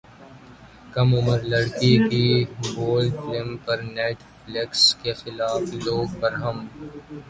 کم عمر لڑکی کی بولڈ فلم پر نیٹ فلیکس کے خلاف لوگ برہم